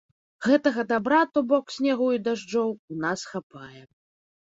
Гэтага дабра, то бок, снегу і дажджоў, у нас хапае.